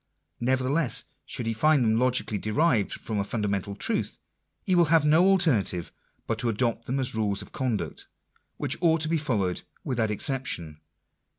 Nevertheless should he find them logically derived from a fundamental truth, he will have no alternative but to adopt them as rules of conduct, which ought to be followed without exception.